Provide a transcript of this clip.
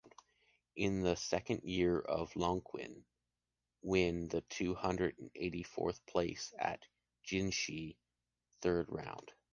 In the second year of Longqing, win the two hundred and eighty fourth place at Jinshi third round.